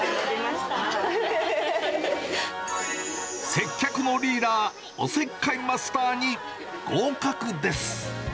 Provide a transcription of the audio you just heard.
接客のリーダー、おせっかいマスターに合格です。